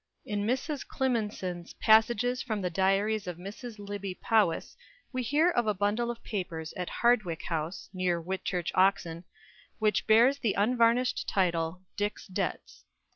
In Mrs. Climenson's "Passages from the Diaries of Mrs. Lybbe Powys," we hear of a bundle of papers at Hardwick House, near Whitchurch, Oxon, which bears the unvarnished title "Dick's Debts."